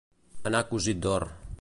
Anar cosit d'or.